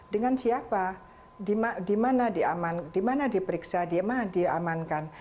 dengan siapa di mana diperiksa di mana diamankan